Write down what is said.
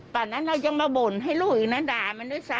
ตอนนั้นเรายังมาบ่นให้ลูกอีกนะด่ามันด้วยซ้